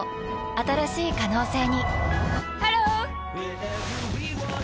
新しい可能性にハロー！